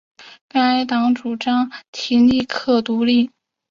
该党主张马提尼克独立。